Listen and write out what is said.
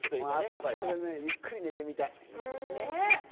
あそこでね、ゆっくり寝てみたい。